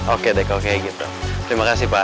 oke deh oke gitu terima kasih pak